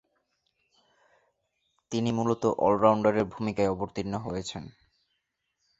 তিনি মূলতঃ অল-রাউন্ডারের ভূমিকায় অবতীর্ণ হয়েছেন।